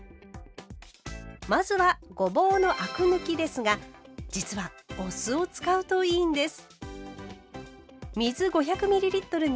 まずはごぼうのアク抜きですが実はお酢を使うといいんです。